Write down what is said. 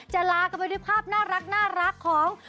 จะลากับวิธีภาพน่ารักของ